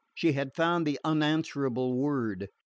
She had found the unanswerable word.